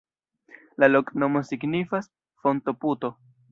La loknomo signifas: fonto-puto.